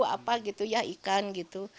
apa gitu ya ikan gitu